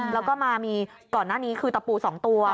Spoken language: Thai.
แล้วก็มามีก่อนหน้านี้คือตะปู๒ตัว